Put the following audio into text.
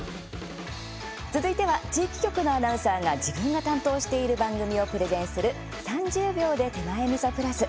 続いては地域局のアナウンサーが自分が担当している番組をプレゼンする「３０秒で手前みそプラス」。